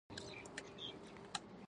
غرمه د دلي خوږ ژوند څپه ده